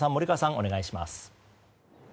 お願いします。